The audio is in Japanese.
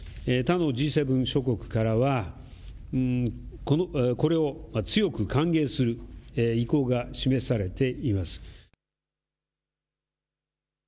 他のＧ７諸国からはこれを強く歓迎する意向が示されています。